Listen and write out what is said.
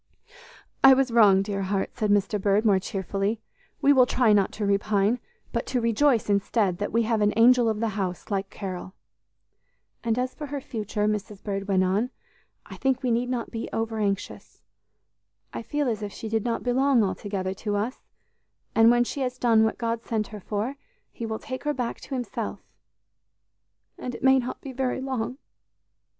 "I was wrong, dear heart," said Mr. Bird more cheerfully; "we will try not to repine, but to rejoice instead, that we have an 'angel of the house' like Carol." "And as for her future," Mrs. Bird went on, "I think we need not be over anxious. I feel as if she did not belong altogether to us, and when she has done what God sent her for, He will take her back to Himself and it may not be very long!"